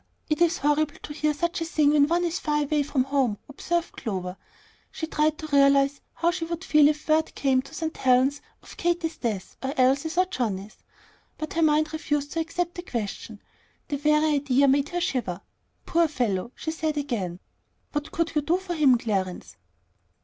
It is horrible to hear such a thing when one is far from home," observed Clover. She tried to realize how she should feel if word came to St. Helen's of Katy's death, or Elsie's, or Johnnie's; but her mind refused to accept the question. The very idea made her shiver. "Poor fellow!" she said again; "what could you do for him, Clarence?"